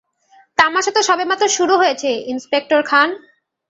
তামাশা তো সবেমাত্র শুরু হয়েছে, ইন্সপেক্টর খান।